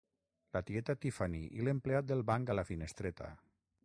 La tieta Tiffany i l'empleat del banc a la finestreta.